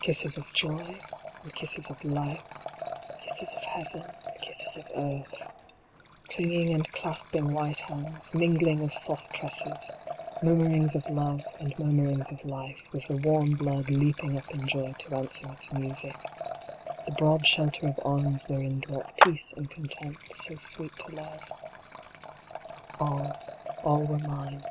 Kisses of joy, and kisses of life, Kisses of heaven, and kisses of earth, Clinging and clasping white hands ; Mingling of soft tresses ; Murmurings of love, and murmurings of life, With the warm blood leaping up in joy to answer its music ; The broad shelter of arms wherein dwelt peace and con tent, so sweet to love. All, all were mine.